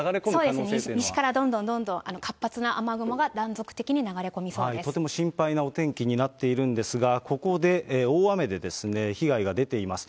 そうですね、西からどんどんどんどん活発な雨雲が断続的に流とても心配なお天気になっているんですが、ここで大雨で被害が出ています。